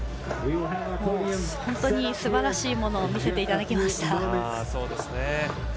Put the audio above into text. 本当にすばらしいものを見せていただきました。